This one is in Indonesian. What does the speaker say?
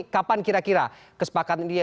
kapan kira kira kesepakatan ini ya